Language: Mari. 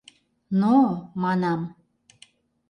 Но-о, манам!